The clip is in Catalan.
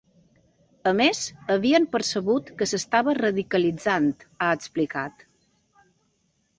A més, havien percebut que s’estava radicalitzant, ha explicat.